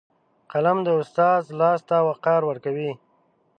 قلم د استاد لاس ته وقار ورکوي